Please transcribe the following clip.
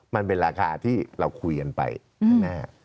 มันเป็นราคาที่เราคุยกันไปข้างหน้า